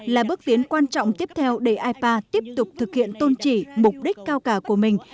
là bước tiến quan trọng tiếp theo để ipa tiếp tục thực hiện tôn trị mục đích cao cả của mình